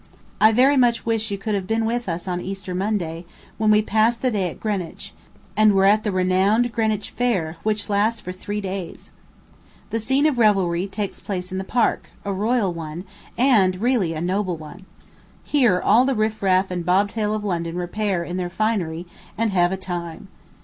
I very much wish you could have been with us on Easter Monday, when we passed the day at Greenwich, and were at the renowned Greenwich Fair, which lasts for three days. The scene of revelry takes place in the Park, a royal one, and really a noble one. Here all the riff raff and bobtail of London repair in their finery, and have a time.